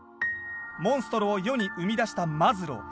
モンストロを世に生み出したマズロー。